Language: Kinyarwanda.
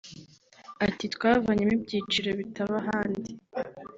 Ati “Twavanyemo ibyiciro bitaba ahandi